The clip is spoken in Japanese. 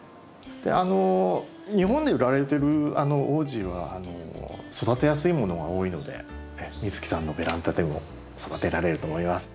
あの日本で売られてるオージーは育てやすいものが多いので美月さんのベランダでも育てられると思います。